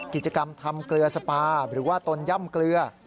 กิจกรรมทำเกลือสปาหรือว่าตนย่ำเกลือ